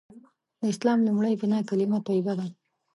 د اسلام لومړۍ بناء کلیمه طیبه ده.